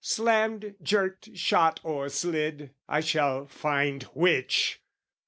slammed, jerked, shot or slid, I shall find which!